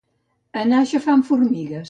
Anar aixafant formigues.